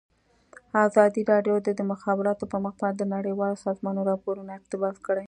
ازادي راډیو د د مخابراتو پرمختګ په اړه د نړیوالو سازمانونو راپورونه اقتباس کړي.